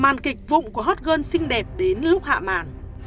màn kịch vụng của hot girl xinh đẹp đến lúc hạ mản